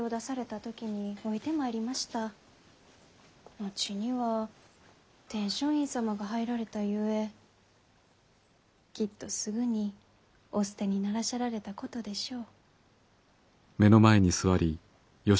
後には天璋院様が入られたゆえきっとすぐにお捨てにならしゃられたことでしょう。